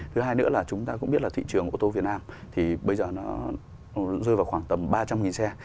thứ hai nữa là chúng ta cũng biết là thị trường ô tô việt nam thì bây giờ nó rơi vào khoảng tầm ba trăm linh xe